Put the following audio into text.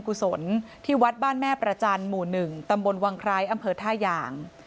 กุศลที่วัดบ้านแม่ประจันทร์หมู่๑ตำบลวังไคร้อำเภอท่ายาง